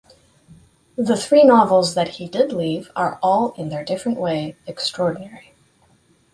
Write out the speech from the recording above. The three novels that he did leave are all in their different way extraordinary.